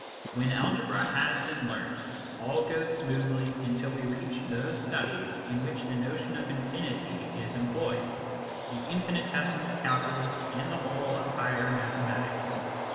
When algebra has been learnt, all goes smoothly until we reach those studies in which the notion of infinity is employed the infinitesimal calculus and the whole of higher mathematics.